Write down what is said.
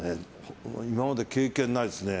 今まで経験ないですね。